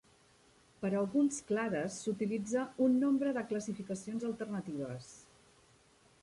Per alguns clades, s"utilitza un nombre de classificacions alternatives.